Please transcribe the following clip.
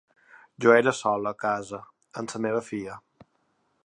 Jo era sola a casa, amb la meva filla.